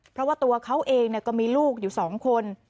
เพราะว่าตัวเขาเองก็มีลูกอยู่๒คน